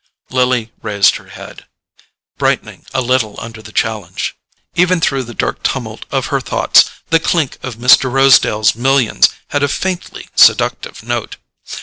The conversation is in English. Lily raised her head, brightening a little under the challenge. Even through the dark tumult of her thoughts, the clink of Mr. Rosedale's millions had a faintly seductive note.